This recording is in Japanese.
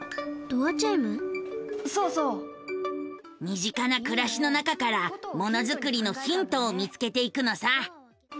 身近な暮らしの中からものづくりのヒントを見つけていくのさ。